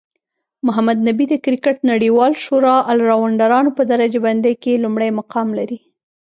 محمد نبي د کرکټ نړیوالی شورا الرونډرانو په درجه بندۍ کې لومړی مقام لري